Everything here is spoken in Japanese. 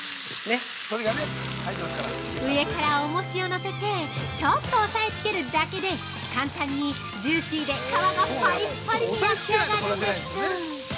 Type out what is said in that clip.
◆上から重しをのせてちょっと押さえつけるだけで簡単にジューシーで皮がパリパリに焼き上がるんです。